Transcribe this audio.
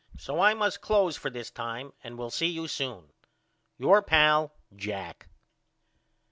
So I must close for this time and will see you soon. Your pal, JACK.